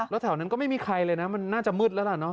แล้วแถวนั้นก็ไม่มีใครเลยนะมันน่าจะมืดแล้วล่ะเนอ